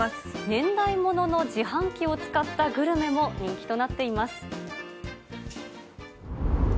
年代物の自販機を使ったグルメも人気となっています。